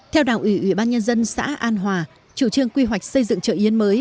theo đảng ủy ủy ban nhân dân xã an hòa chủ trương quy hoạch xây dựng chợ yến mới